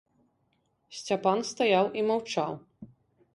Сцяпан стаяў і маўчаў.